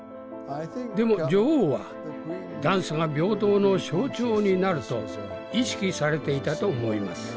でも女王はダンスが平等の象徴になると意識されていたと思います。